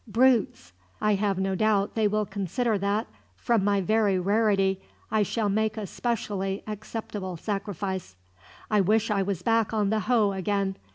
Brutes! I have no doubt they will consider that, from my very rarity, I shall make a specially acceptable sacrifice. "I wish I was back on the Hoe again.